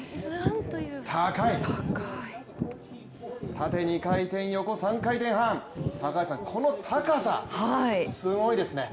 高い、縦２回転、横３回転半、高橋さん、この高さ、すごいですね！